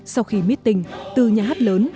sau khi mít tình từ nhà hát lớn